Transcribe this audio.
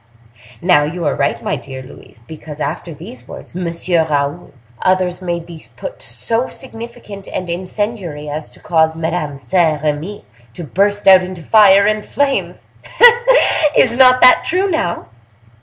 Now, you are right, my dear Louise, because after these words, 'Monsieur Raoul', others may be put so significant and incendiary as to cause Madame Saint Remy to burst out into fire and flames! Hein! is not that true now?